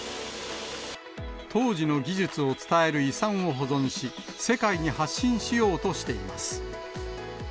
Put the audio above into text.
当時の技術を伝える遺産を保存し、世界に発信しようとしています。